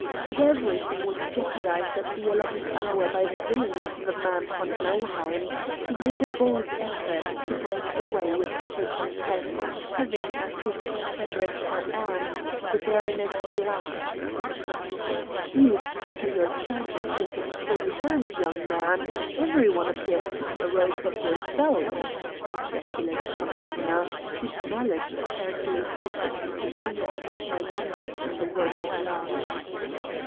But everything was jeopardized at the eleventh hour by the villany of the man von Nauheim, who made a bold effort to break away with the countess, having as his confederate her aunt, the Baroness Gratz." "You scatter your charges with a free hand, young man. Every one appears to be a rogue but yourself," ejaculated von Augener, whose malice apparently prompted him to see and put my conduct in the worst light.